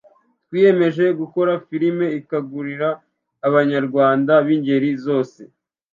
“twiyemeje gukora filime ikangurira abanyarwanda b’ingeri zose,